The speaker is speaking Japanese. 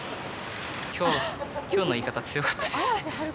今日今日の言い方強かったですね。